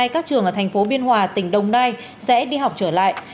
các trường ở tp biên hòa tỉnh đồng nai sẽ đi học trở lại